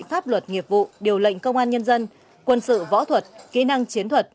pháp luật nghiệp vụ điều lệnh công an nhân dân quân sự võ thuật kỹ năng chiến thuật